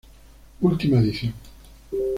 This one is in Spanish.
Última edición.